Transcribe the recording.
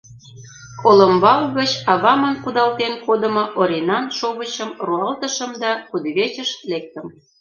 Олымбал гыч авамын кудалтен кодымо Оринан шовычым руалтышым да кудывечыш лектым.